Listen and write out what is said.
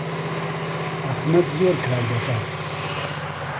ئەحمەد زۆر کار دەکات.